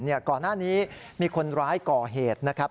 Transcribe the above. ก่อนหน้านี้มีคนร้ายก่อเหตุนะครับ